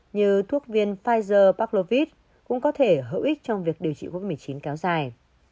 như thuốc viên pfizer parklovis cũng có thể hữu ích trong việc điều trị covid một mươi chín kéo dài